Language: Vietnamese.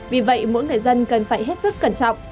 vì vậy mỗi người dân cần phải hết sức cẩn trọng